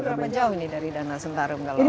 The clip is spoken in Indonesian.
jadi berapa jauh ini dari danau sentarung kalau secara